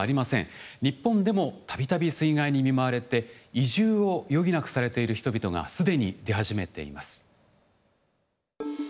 日本でもたびたび水害に見舞われて移住を余儀なくされている人々がすでに出始めています。